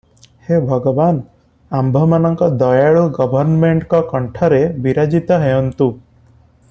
ହେ ଭଗବାନ୍! ଆମ୍ଭମାନଙ୍କ ଦୟାଳୁ ଗଭର୍ଣ୍ଣମେଣ୍ଟଙ୍କ କଣ୍ଠରେ ବିରାଜିତ ହେଉନ୍ତୁ ।